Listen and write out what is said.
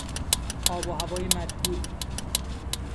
آب و هوای مطبوع